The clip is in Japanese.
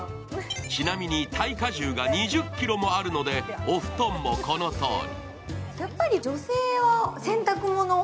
ちなみに耐荷重が２０ｋｇもあるのでお布団もこのとおり。